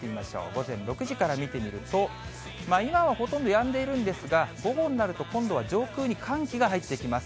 午前６時から見てみると、今はほとんどやんでいるんですが、午後になると、今度は上空に寒気が入ってきます。